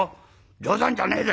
『冗談じゃねえぜ！